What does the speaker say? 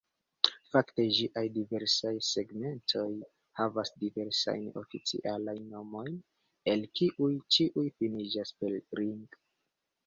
Fakte ĝiaj diversaj segmentoj havas diversajn oficialajn nomojn, el kiuj ĉiuj finiĝas per "-ring".